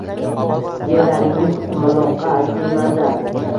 Yerlaringiz qumaloqma, diyman-da